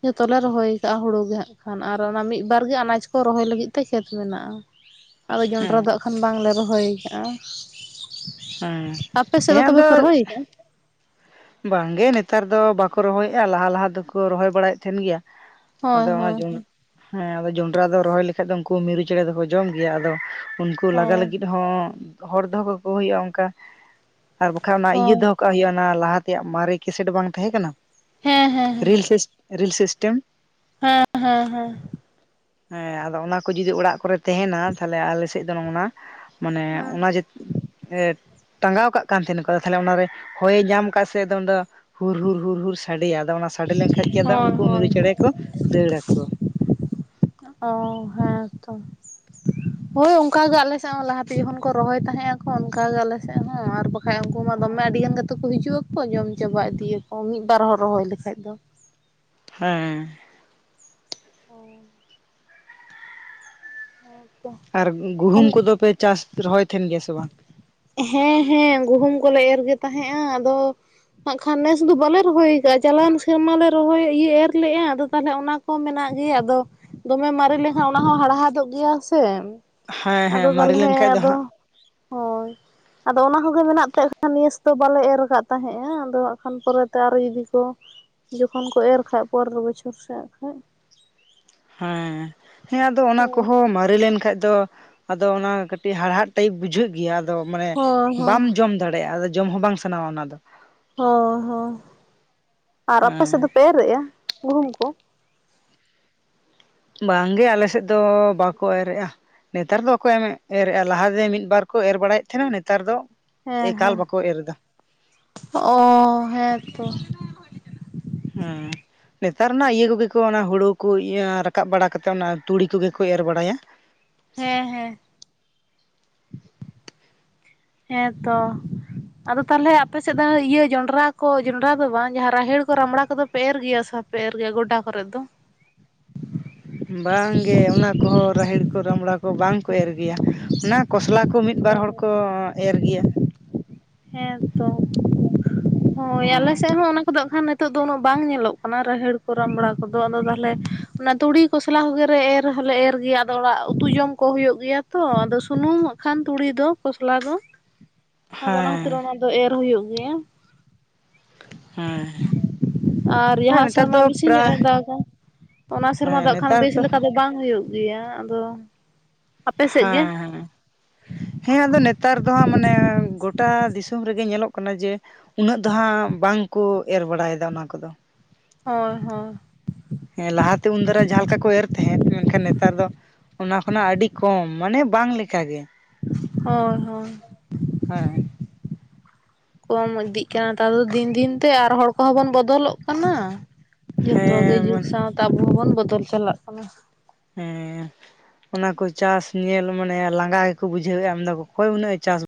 ᱡᱚᱛᱚ ᱞᱮ ᱨᱚᱦᱚᱭ ᱠᱟᱜᱼᱟ ᱦᱩᱲᱩ ᱜᱮ ᱦᱟᱸᱜ ᱠᱷᱟᱱ ᱟᱨ ᱚᱱᱟ ᱢᱤᱫ ᱵᱟᱨ ᱜᱮ ᱟᱱᱟᱪ ᱠᱚ ᱨᱚᱦᱚᱭ ᱞᱟᱹᱜᱤᱫ ᱛᱮ ᱠᱷᱮᱛ ᱢᱮᱱᱟᱜᱼᱟ᱾ [unintelligible] ᱟᱫᱚ ᱡᱚᱱᱰᱨᱟ ᱫᱚ ᱦᱟᱸᱜ ᱠᱷᱟᱱ ᱵᱟᱝᱞᱮ ᱨᱚᱦᱚᱭ ᱟᱠᱟᱜᱼᱟ᱾ ᱦᱮᱸ ᱟᱯᱮ ᱥᱮᱫ ᱫᱚ ᱦᱮᱸ ᱛᱚᱵᱮ ᱯᱮ ᱨᱚᱦᱚᱭ ᱟᱠᱟᱜ-ᱟ? ᱵᱟᱝ ᱜᱮ ᱱᱮᱛᱟᱨ ᱫᱚ ᱵᱟᱠᱚ ᱨᱚᱦᱚᱭᱮᱜᱼᱟ, ᱞᱟᱦᱟ ᱞᱟᱦᱟ ᱫᱚᱠᱚ ᱨᱚᱦᱚᱭ ᱵᱟᱲᱟᱭᱮᱫ ᱛᱟᱸᱦᱮᱱ ᱜᱮᱭᱟ᱾ ᱦᱳᱭ ᱟᱫᱚ ᱚᱱᱟ ᱡᱚᱱᱰ, ᱦᱳᱭ ᱦᱮᱸ ᱟᱫᱚ ᱡᱚᱱᱰᱨᱟ ᱫᱚ ᱨᱚᱦᱚᱭ ᱞᱮᱠᱷᱟᱡ ᱫᱚ ᱩᱱᱠᱩ ᱢᱤᱨᱩ ᱪᱮᱬᱮ ᱫᱚᱠᱚ ᱡᱚᱢ ᱜᱮᱭᱟ, ᱟᱫᱚ ᱩᱱᱠᱩ ᱞᱟᱜᱟ ᱦᱳᱭ ᱞᱟᱹᱜᱤᱫ ᱦᱚᱸ ᱦᱚᱲ ᱫᱚᱦᱚ ᱠᱟᱠᱚ ᱦᱩᱭᱩᱜᱼᱟ ᱚᱱᱠᱟ, ᱟᱨ ᱵᱟᱠᱷᱟᱡ ᱚᱱᱟ ᱤᱭᱟᱹ ᱫᱚᱦᱚ ᱦᱳᱭ ᱠᱟᱜ ᱦᱩᱭᱩᱜ, ᱚᱱᱟ ᱞᱟᱦᱟ ᱛᱮᱭᱟᱜ ᱢᱟᱨᱮ ᱠᱮᱥᱮᱴ ᱵᱟᱝ ᱛᱟᱦᱮᱸ ᱠᱟᱱᱟ, ᱦᱮᱸ ᱦᱮᱸ ᱨᱤᱞᱥ ᱥᱤᱥ ᱨᱤᱞᱥ ᱥᱤᱥᱴᱮᱢ? ᱦᱮᱸ ᱦᱮᱸ ᱦᱮᱸ᱾ ᱦᱮᱸ ᱟᱫᱚ ᱚᱱᱟ ᱠᱚ ᱡᱩᱫᱤ ᱚᱲᱟᱜ ᱠᱚᱨᱮ ᱛᱟᱦᱮᱱᱟ, ᱛᱟᱦᱞᱮ ᱟᱞᱮ ᱥᱮᱫ ᱫᱚ ᱱᱚᱜ ᱱᱟ ᱢᱟᱱᱮ ᱚᱱᱟ ᱦᱮᱸ ᱡᱮ ᱮᱫᱷ ᱴᱟᱸᱜᱟᱣ ᱠᱟᱜ ᱠᱟᱱ ᱛᱟᱦᱮᱱᱟ ᱠᱚ ᱛᱟᱦᱞᱮ ᱚᱱᱟ ᱨᱮ ᱦᱚᱭᱮ ᱧᱟᱢ ᱠᱟᱜ ᱥᱮ ᱩᱱᱫᱚ ᱦᱩᱨ ᱦᱩᱨ ᱦᱩᱨ ᱦᱩᱨ ᱥᱟᱰᱮᱭᱟ, ᱟᱫᱚ ᱚᱱᱟ ᱥᱟᱰᱮ ᱞᱮᱱ ᱠᱷᱟᱡ ᱜᱮ ᱟᱫᱚ ᱦᱳᱭ ᱩᱱᱠᱩ ᱢᱤᱨᱩ ᱦᱳᱭ ᱪᱮᱬᱮ ᱠᱚ ᱫᱟᱹᱲᱟ ᱠᱚ᱾ ᱚ ᱦᱮᱸ ᱛᱚ᱾ ᱦᱳᱭ ᱚᱱᱠᱟᱜᱮ ᱟᱞᱮ ᱥᱮᱫ ᱦᱚᱸ ᱞᱟᱦᱟ ᱛᱮ ᱡᱚᱠᱷᱚᱱ ᱠᱚ ᱨᱚᱦᱚᱭ ᱛᱟᱦᱮᱸᱫ ᱟᱠᱚ ᱚᱱᱠᱟᱜᱮ ᱟᱞᱮ ᱥᱮᱫ ᱦᱚᱸ ᱟᱨ ᱵᱟᱠᱷ ᱵᱟᱠᱷᱟᱡ ᱩᱱᱠᱩ ᱢᱟ ᱫᱚᱢᱮ ᱟᱹᱰᱤ ᱜᱟᱱ ᱠᱟᱛᱮ ᱠᱚ ᱦᱤᱡᱩᱜ ᱟᱠᱚ, ᱡᱚᱢ ᱪᱟᱵᱟ ᱤᱫᱤᱭᱟ ᱠᱚ ᱢᱤᱫ ᱵᱟᱨ ᱦᱚᱲ ᱨᱚᱦᱚᱭ ᱞᱮᱠᱷᱟᱡ ᱫᱚ᱾ ᱦᱮᱸ ᱦᱮ [inaudible] ᱦᱮ [inaudible] ᱟᱨ ᱜᱩᱦᱩᱢ ᱠᱚᱫᱚ ᱯᱮ ᱪᱟᱥ ᱨᱚᱦᱚᱭ ᱛᱟᱦᱮᱱ ᱜᱮᱭᱟ ᱥᱮ ᱵᱟᱝ? ᱦᱮᱸ ᱦᱮᱸ, ᱜᱩᱦᱩᱢ ᱠᱚᱞᱮ ᱮᱨ ᱜᱮ ᱛᱟᱦᱮᱸᱜᱼᱟ ᱟᱫᱚ ᱦᱟᱜ ᱠᱷᱟᱱ ᱱᱮᱥ ᱫᱚ ᱵᱟᱞᱮ ᱨᱚᱦᱚᱭ ᱟᱠᱟᱜᱼᱟ, ᱪᱟᱞᱟᱣᱮᱱ ᱥᱮᱨᱢᱟ ᱞᱮ ᱨᱚᱦᱚᱭ ᱤᱭᱟᱹ ᱮᱨ ᱞᱮᱜᱼᱟ ᱟᱫᱚ ᱛᱟᱦᱚᱞᱮ ᱚᱱᱟ ᱦᱚᱸ ᱢᱮᱱᱟᱜ ᱜᱮᱭᱟ ᱟᱫᱚ, ᱫᱚᱢᱮ ᱢᱟᱨᱮ ᱞᱮᱦᱚᱸ ᱚᱱᱟ ᱦᱚᱸ ᱦᱟᱲᱦᱟᱫᱚᱜ ᱜᱮᱭᱟ ᱥᱮ᱾ ᱦᱮᱸ ᱦᱮᱸ ᱟᱫᱚ ᱢᱟᱨᱮ ᱛᱟᱦᱞᱮ ᱞᱮᱱᱠᱷᱟᱡ ᱫᱚ ᱟᱫᱚ, ᱦᱟᱸᱜ ᱦᱳᱭ ᱟᱫᱚ ᱚᱱᱟ ᱦᱚᱸᱜᱮ ᱢᱮᱱᱟᱜ ᱛᱮ ᱱᱮᱥ ᱫᱚ ᱵᱟᱞᱮ ᱮᱨ ᱠᱟᱫᱷ ᱛᱟᱦᱮᱸᱼᱟ, ᱟᱫᱚ ᱦᱟᱸᱜ ᱠᱷᱟᱱ ᱯᱚᱨᱮᱛᱮ ᱟᱨᱚ ᱡᱩᱫᱤ ᱠᱚ ᱡᱚᱠᱷᱚᱱ ᱠᱚ ᱮᱨ ᱠᱷᱟᱡ ᱯᱚᱨᱮᱨ ᱵᱚᱪᱷᱚᱨ ᱥᱮᱫᱷ ᱠᱷᱟᱡ᱾ ᱦᱮᱸᱻ᱾ ᱦᱮᱸ ᱟᱫᱚ ᱚᱱᱟ ᱦᱳᱭ ᱠᱚᱦᱚᱸ ᱢᱟᱨᱮ ᱞᱮᱱ ᱠᱷᱟᱡ ᱫᱚ ᱟᱫᱚ ᱚᱱᱟ ᱠᱟᱴᱤᱡ ᱦᱟᱲᱦᱟᱫ ᱴᱟᱭᱤᱯ ᱵᱩᱡᱷᱟᱹᱜ ᱜᱮᱭᱟ ᱟᱫᱚ ᱢᱟᱱᱮ ᱦᱳᱭ ᱦᱳᱭ ᱵᱟᱢ ᱡᱚᱢ ᱫᱟᱲᱮᱭᱼᱟ ᱟᱫᱚ ᱡᱚᱢ ᱦᱚᱸ ᱵᱟᱝ ᱥᱟᱱᱟᱣᱟ ᱚᱱᱟ ᱫᱚ᱾ ᱦᱚᱸ ᱦᱚᱸ᱾ ᱟᱨ ᱟᱯᱮ ᱦᱮᱸ ᱥᱮᱫ ᱫᱚᱯᱮ ᱮᱨᱮᱫᱼᱟ ᱜᱩᱦᱩᱢ ᱠᱚ? ᱵᱟᱝᱜᱮ ᱟᱞᱮ ᱥᱮᱫ ᱫᱚ ᱵᱟᱠᱚ ᱮᱨᱮᱜᱼᱟ᱾ ᱱᱮᱛᱟᱨ ᱫᱚ ᱵᱟᱠᱚ ᱮᱢ ᱮᱨ ᱨᱮᱜᱼᱟ, ᱞᱟᱦᱟᱛᱮ ᱢᱤᱫ ᱵᱟᱨ ᱠᱚ ᱮᱨ ᱵᱟᱲᱟᱭᱮᱫ ᱛᱟᱦᱮᱱᱟ ᱱᱮᱛᱟᱨ ᱫᱚ ᱦᱮᱸ ᱮᱠᱟᱞ ᱦᱮᱸ᱾ ᱵᱟᱠᱚ ᱮᱨ ᱮᱫᱟ ᱚ ᱦᱮᱸ ᱛᱚ ᱾ ᱦᱩᱸ ᱾ ᱱᱮᱛᱟᱨ ᱱᱟ ᱤᱭᱟᱹ ᱠᱚᱜᱮ ᱠᱚ ᱚᱱᱟ ᱦᱩᱲᱩ ᱠᱚ ᱤᱭᱟᱹ ᱨᱟᱠᱟᱵ ᱵᱟᱲᱟ ᱠᱟᱛᱮᱫ ᱚᱱᱟ ᱛᱩᱲᱤ ᱠᱚᱜᱮ ᱠᱚ ᱮᱨ ᱵᱟᱲᱟᱭᱟ᱾ ᱦᱮᱸ ᱦᱮᱸ᱾ ᱦᱮᱸ ᱛᱚ᱾ ᱟᱫᱚ ᱛᱟᱦᱞᱮ ᱟᱯᱮ ᱥᱮᱫ ᱫᱚ ᱤᱭᱟᱹ ᱡᱚᱱᱰᱨᱟ ᱠᱚ ᱡᱚᱱᱰᱨᱟ ᱫᱚ ᱵᱟᱝ, ᱡᱟᱦᱟᱸ ᱨᱟᱦᱮᱲ ᱠᱚ ᱨᱟᱢᱵᱲᱟ ᱠᱚᱫᱚ ᱯᱮ ᱮᱨ ᱜᱮᱭᱟ ᱥᱮ ᱵᱟᱯᱮ ᱮᱨ ᱜᱮᱭᱟ ᱜᱚᱰᱟ ᱠᱚᱨᱮᱫ ᱫᱚ? ᱵᱟᱝᱜᱮ, ᱚᱱᱟ ᱠᱚᱦᱚᱸ ᱨᱟᱦᱮᱲ ᱠᱚ ᱨᱟᱢᱲᱟ ᱠᱚ ᱵᱟᱝ ᱠᱚ ᱮᱨ ᱜᱮᱭᱟ, ᱚᱱᱟ ᱠᱚᱥᱞᱟ ᱠᱚ ᱢᱤᱫ ᱵᱟᱨ ᱦᱚᱲ ᱠᱚ ᱮᱨ ᱜᱮᱭᱟ᱾ ᱦᱮᱸ ᱛᱚ᱾ ᱦᱳᱭ ᱟᱞᱮ ᱥᱮᱫ ᱦᱚᱸ ᱚᱱᱟ ᱠᱚᱫᱚ ᱠᱷᱟᱱ ᱱᱤᱛᱚᱜ ᱫᱚ ᱩᱱᱟᱹᱜ ᱵᱟᱝ ᱧᱮᱞᱚᱜ ᱠᱟᱱᱟ ᱨᱟᱦᱮᱲ ᱠᱚ, ᱨᱟᱢᱲᱟ ᱠᱚᱫᱚ, ᱟᱫᱚ ᱛᱟᱦᱞᱮ ᱚᱱᱟ ᱛᱩᱲᱤ ᱠᱚᱥᱞᱟ ᱠᱚᱜᱮ ᱨᱮ ᱮᱨ ᱦᱚᱞᱮ ᱮᱨ ᱜᱮᱭᱟ ᱟᱫᱚ ᱚᱲᱟᱜ ᱩᱛᱩ ᱡᱚᱢ ᱠᱚ ᱦᱩᱭᱩᱜ ᱜᱮᱭᱟ ᱛᱚ, ᱟᱫᱚ ᱥᱩᱱᱩᱢ ᱠᱷᱟᱱ ᱛᱩᱲᱤ ᱫᱚ ᱠᱷᱚᱥᱞᱟ ᱫᱚ ᱟᱫᱚ ᱚᱱᱟ ᱠᱷᱟᱹᱛᱤᱨ ᱦᱮᱸ ᱚᱱᱟ ᱫᱚ ᱮᱨ ᱦᱩᱭᱩᱜ ᱜᱮᱭᱟ᱾ ᱦᱮᱸ᱾ ᱟᱨ ᱡᱟᱦᱟ ᱦᱮᱸ ᱱᱮᱛᱟᱨ ᱥᱮᱨᱢᱟ ᱫᱚ ᱵᱮᱥᱤ ᱧᱚᱜ ᱯᱨᱟᱭ ᱮ ᱫᱟᱜᱼᱟ ᱚᱱᱟ ᱥᱮᱨᱢᱟ ᱦᱮᱸ ᱫᱟᱜ ᱠᱷᱟᱱ ᱱᱮᱛᱟᱨ ᱵᱮᱥ ᱫᱚ ᱞᱮᱠᱟ ᱵᱟᱝ ᱦᱳᱭᱳᱜ ᱜᱮᱭᱟ ᱟᱫᱚ᱾ ᱟᱯᱮ ᱥᱮᱫ ᱜᱮ ᱦᱮᱸ ᱦᱮᱸ᱾ ᱦᱮᱸ ᱟᱫᱚ ᱱᱮᱛᱟᱨ ᱫᱚ ᱦᱟᱸᱜ ᱢᱟᱱᱮ ᱜᱚᱴᱟ ᱫᱤᱥᱚᱢ ᱨᱮᱜᱮ ᱧᱮᱞᱚᱜ ᱠᱟᱱᱟ ᱡᱮ ᱩᱱᱟᱹᱜ ᱫᱚ ᱦᱟᱸᱜ ᱵᱟᱝ ᱠᱚ ᱮᱨ ᱵᱟᱲᱟᱭ ᱫᱟ ᱚᱱᱟ ᱠᱚᱫᱚ᱾ ᱦᱳᱭ ᱦᱳᱭ᱾ ᱦᱮᱸ ᱞᱟᱦᱟ ᱛᱮ ᱩᱱ ᱫᱟᱨᱟ ᱡᱟᱦᱟ ᱞᱮᱠᱟ ᱠᱚ ᱮᱨ ᱛᱟᱦᱮᱸᱫ ᱢᱮᱱ ᱠᱷᱟᱱ ᱱᱮᱛᱟᱨ ᱫᱚ ᱚᱱᱟ ᱠᱷᱚᱱᱟᱜ ᱟᱹᱰᱤ ᱠᱚᱢ ᱢᱟᱱᱮ ᱵᱟᱝ ᱞᱮᱠᱟ ᱜᱮ᱾ ᱦᱳᱭ ᱦᱳᱭ᱾ ᱦᱮᱸ [inaudible] ᱠᱚᱢ ᱤᱫᱤᱜ ᱠᱟᱱᱟ ᱱᱮᱛᱟᱨ ᱫᱚ ᱫᱤᱱ ᱫᱤᱱ ᱛᱮ ᱟᱨ ᱦᱚᱲ ᱠᱚᱦᱚᱸ ᱵᱚᱱ ᱵᱚᱫᱚᱞ ᱚᱜ ᱠᱟᱱᱟ᱾ ᱡᱷᱚᱛᱚ ᱜᱮ ᱡᱩᱜᱽ ᱦᱮᱸ ᱥᱟᱶ ᱛᱮ ᱟᱵᱚ ᱦᱚᱸᱵᱚᱱ ᱵᱚᱫᱚᱞ ᱪᱟᱞᱟᱜ ᱠᱟᱱᱟ᱾ ᱦᱮᱸ᱾ ᱚᱱᱟ ᱠᱚ ᱪᱟᱥ ᱧᱮᱞ ᱢᱟᱱᱮ ᱞᱟᱸᱜᱟ ᱜᱮᱠᱚ ᱵᱩᱡᱷᱟᱹᱣ ᱮᱜᱼᱟ ᱢᱮᱱ ᱫᱟᱠᱚ ᱚᱠᱚᱭ ᱩᱱᱟᱹᱜ ᱪᱟᱥ